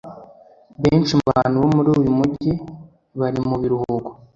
benshi mubantu bo muri uyu mujyi bari mu biruhuko.